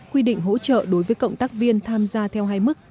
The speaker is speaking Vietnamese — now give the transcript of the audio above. quy định hỗ trợ đối với cộng tác viên tham gia theo hai mức